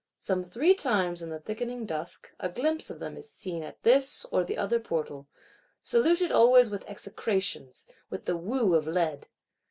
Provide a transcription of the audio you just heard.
Some three times in the thickening dusk, a glimpse of them is seen, at this or the other Portal: saluted always with execrations, with the whew of lead.